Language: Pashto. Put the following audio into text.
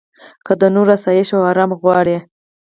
که د نورو اسایش او ارام غواړې.